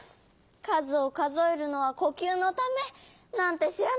かずをかぞえるのはこきゅうのためなんてしらなかった。